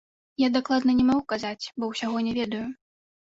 Я дакладна не магу казаць, бо ўсяго не ведаю.